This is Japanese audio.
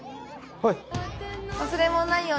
はい！